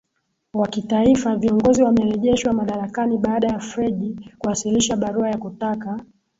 wa kitaifa viongozi wamerejeshwa madarakani baada ya freji kuwasilisha barua ya kutaka